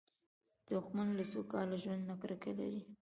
دښمن له سوکاله ژوند نه کرکه لري